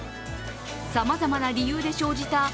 さまざまな理由で生じた